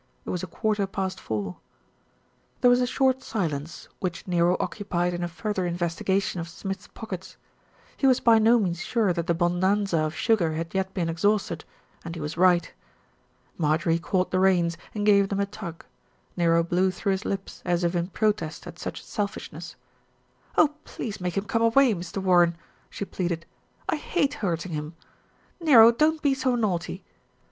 It was a quarter past four. There was a short silence, which Nero occupied in a further investigation of Smith's pockets. He was by no means sure that the bonanza of sugar had yet been exhausted, and he was right. Marjorie caught the reins and gave them a tug; Nero blew through his lips as if in protest at such selfishness. "Oh ! please make him come away, Mr. Warren," she pleaded. "I hate hurting him. Nero, don't be so naughty."